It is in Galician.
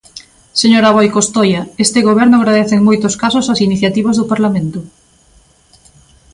Señora Aboi Costoia, este Goberno agradece en moitos casos as iniciativas do Parlamento.